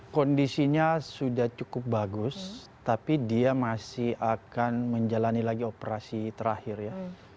kondisinya sudah cukup bagus tapi dia masih akan menjalani lagi operasi terakhir ya